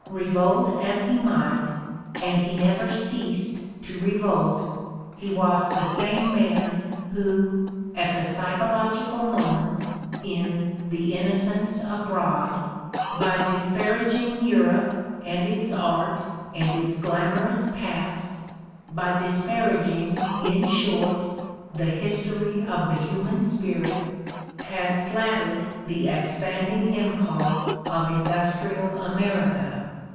Revolt as he might, and he never ceased to revolt, he was the same man who, at the psychological moment, in "The Innocents Abroad," by disparaging Europe and its art and its glamorous past, by disparag ing, in short, the history of the human spirit, had flattered the expanding impulse of industrial America.